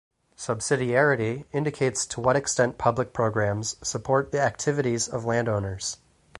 Subsidiarity indicates to what extent public programs support the activities of land owners.